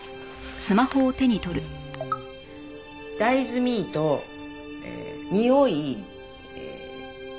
「大豆ミートにおい裏技」？